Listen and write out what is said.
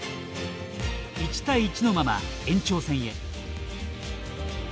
１対１のまま、延長戦へ。